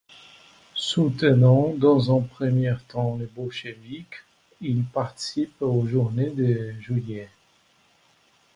Soutenant dans un premier temps les bolcheviks, il participe aux journées de juillet.